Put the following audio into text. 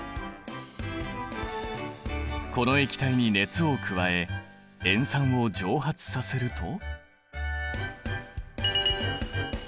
この液体に熱を加え塩酸を蒸発させると。